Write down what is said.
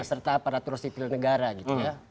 serta aparatur sipil negara gitu ya